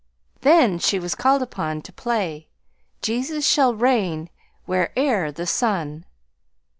Then she was called upon to play "Jesus shall reign where'er the sun."